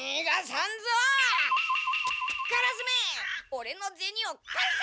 オレのゼニを返せ！